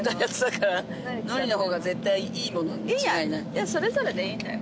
いやそれぞれでいいんだよ。